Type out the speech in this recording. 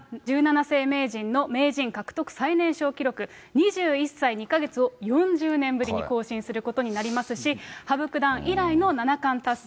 もし藤井六冠が勝利すると、谷川十七世名人の名人獲得最年少記録、２１歳２か月を４０年ぶりに更新することになりますし、羽生九段以来の七冠達成。